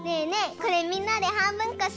これみんなではんぶんこしよう！